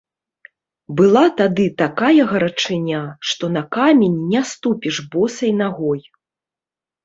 Была тады такая гарачыня, што на камень не ступіш босай нагой.